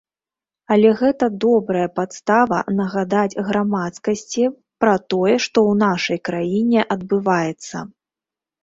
Але гэта добрая падстава нагадаць грамадскасці пра тое, што ў нашай краіне адбываецца.